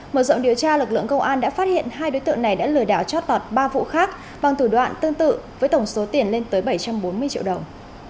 mở rộng điều tra lực lượng công an đã phát hiện hai đối tượng này đã lừa đảo chót lọt ba vụ khác bằng thủ đoạn tương tự với tổng số tiền lên tới bảy trăm bốn mươi triệu đồng